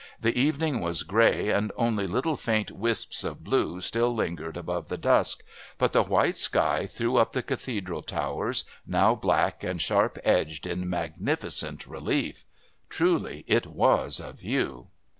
The evening was grey and only little faint wisps of blue still lingered above the dusk, but the white sky threw up the Cathedral towers, now black and sharp edged in magnificent relief. Truly it was a view!